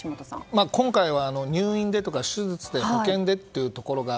今回は入院でとか手術で、保険でというのが